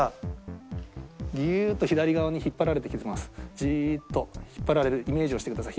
じーっと引っ張られるイメージをしてください。